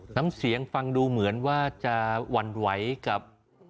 น้ำเสียงฟังดูเหมือนว่าจะหวั่นไหวกับ